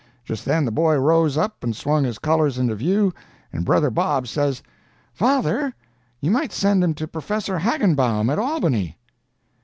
Just then the boy rose up and swung his colors into view, and brother Bob says: "'Father, you might send him to Professor Hagenbaum, at Albany!'